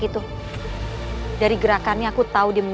hukuman yang ke quantum